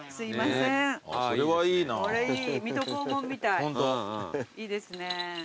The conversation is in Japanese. いいですね。